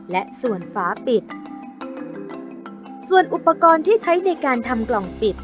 และส่วนฝาปิดส่วนอุปกรณ์ที่ใช้ในการทำกล่องปิด